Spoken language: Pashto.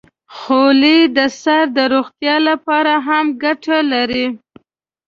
خولۍ د سر د روغتیا لپاره هم ګټه لري.